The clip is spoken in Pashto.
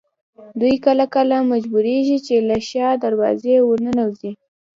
دوی کله کله مجبورېږي چې له شا دروازې ورننوځي.